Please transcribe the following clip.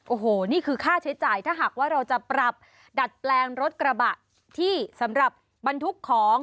โอ้โหนี่คือค่าใช้จ่ายถ้าหากว่าเราจะปรับดัดแปลงรถกระบะที่สำหรับบรรทุกของ